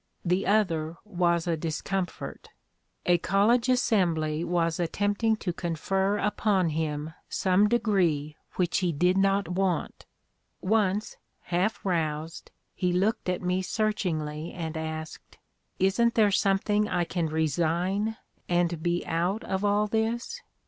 The other was a discomfort: a college assembly was attempting to confer upon him some degree which he did not want. Once, half roused, he looked at me searchingly and asked: 'Isn't there something I can resign and be out of all this?